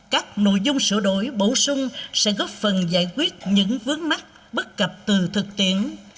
các nội dung sửa đổi bổ sung sẽ góp phần giải quyết những vướng mắt bất cập từ thực tiễn